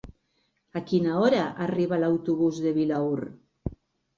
A quina hora arriba l'autobús de Vilaür?